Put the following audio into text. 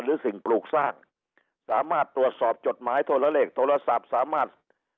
หรือสิ่งปลูกสร้างตรวจสอบจดหมายโทละเลคโทละสับสามารถ